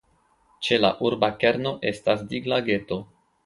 Ĉe la urba kerno estas diglageto.